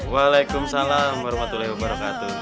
waalaikumsalam warahmatullahi wabarakatuh